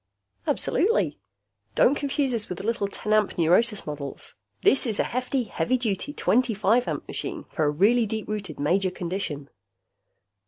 "Absolutely. Don't confuse this with the little ten amp neurosis models. This is a hefty, heavy duty, twenty five amp machine for a really deep rooted major condition."